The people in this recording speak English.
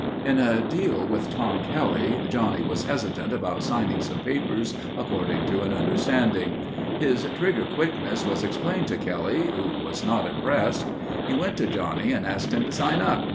In a deal with Tom Kelly, Johnny was hesitant about signing some papers according to an understanding. His trigger quickness was explained to Kelly who was not impressed. He went to Johnny and asked him to sign up.